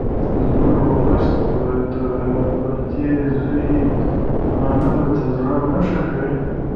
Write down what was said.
زموږ ولس د پردي زوی منلو ته زړه نه ښه کوي